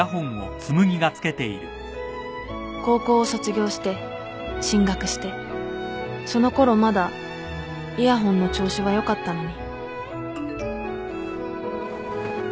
高校を卒業して進学してそのころまだイヤホンの調子は良かったのに